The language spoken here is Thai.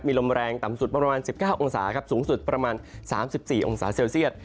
มีลมแรงต่ำสุดประมาณ๑๙องศาครับสูงสุดประมาณ๓๔องศาเซลเซียต